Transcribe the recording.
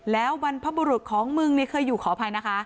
แล้วบรรพบุรุษของมึงเนี่ยเคยอยู่ขออภัยนะคะ